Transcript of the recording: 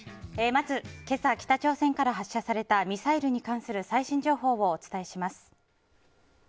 まず、今朝北朝鮮から発射されたミサイルに関する最新情報をお伝えします。